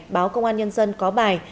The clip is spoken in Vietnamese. báo công an nhân dân có bài